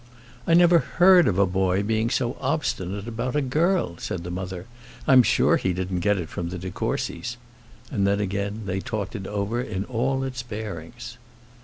"I never heard of a boy being so obstinate about a girl," said the mother. "I'm sure he didn't get it from the de Courcys:" and then, again, they talked it over in all its bearings.